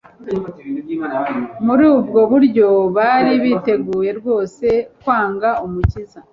Muri ubwo buryo bari biteguye rwose kwanga Umukiza.